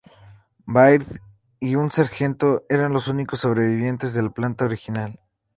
Baird y un sargento eran los únicos sobrevivientes de la planta original.